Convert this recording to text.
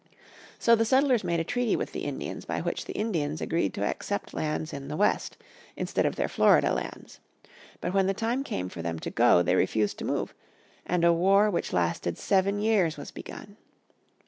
So the settlers made a treaty with the Indians by which the Indians agreed to accept lands in the West instead of their Florida lands. But when the time came for them to go they refused to move, and a war which lasted seven years was begun.